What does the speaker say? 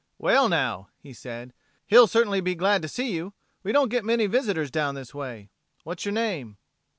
"Well now!" he said. "He'll certainly be glad to see you! We don't get many visitors down this way. What's your name?"